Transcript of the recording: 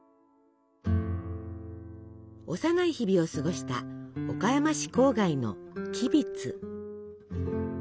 幼い日々を過ごした岡山市郊外の吉備津。